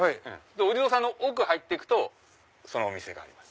お地蔵さんの奥に入って行くとそのお店があります。